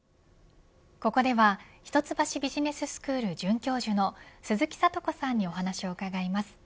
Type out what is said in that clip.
ここでは一橋ビジネススクール准教授の鈴木智子さんにお話を伺います。